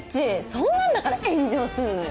そんなんだから炎上すんのよ。